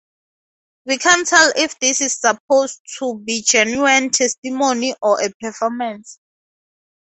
We can't tell if this is supposed to be genuine testimony or a performance.